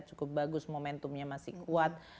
cukup bagus momentumnya masih kuat